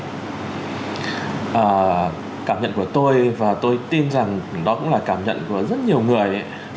cảm nhận của tôi và tôi tin rằng đó cũng là cảm nhận của rất nhiều người